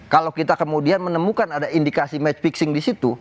kalau kita kemudian menemukan ada indikasi match fixing di situ